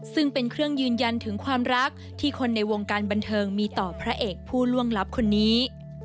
ซึ่งเป็นเครื่องยืนยันถึงความรักที่คนในวงการบันเทิงมีต่อพระเอกผู้ล่วงลับคนนี้